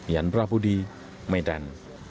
yan prabudi medan